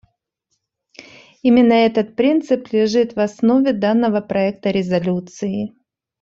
Именно этот принцип лежит в основе данного проекта резолюции.